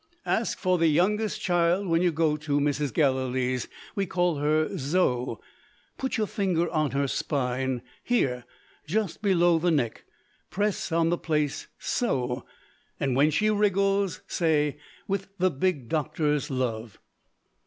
Ask for the youngest child when you go to Mrs. Gallilee's. We call her Zo. Put your finger on her spine here, just below the neck. Press on the place so. And, when she wriggles, say, With the big doctor's love."